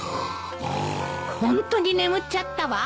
ホントに眠っちゃったわ。